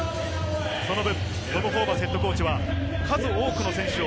そのぶん、ホーバスＨＣは数多くの選手を